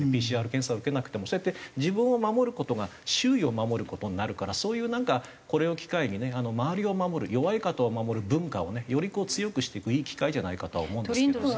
ＰＣＲ検査を受けなくてもそうやって自分を守る事が周囲を守る事になるからそういうなんかこれを機会にね周りを守る弱い方を守る文化をねより強くしていくいい機会じゃないかとは思うんですけどね。